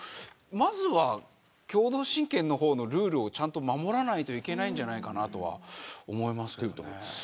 まずは共同親権の方のルールをちゃんと守らないといけないのかなとは思いますけどね。